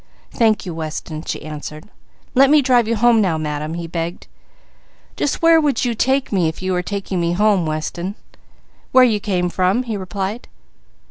"Thank you Weston," she answered. "Let me drive you home now, Madam," he begged. "Just where would you take me if you were taking me home, Weston?" "Where we came from," he replied.